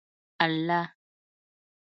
الله